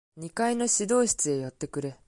二階の指導室へ寄ってくれ。